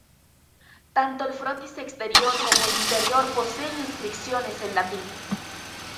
Tanto el frontis exterior como el interior poseen inscripciones en latín.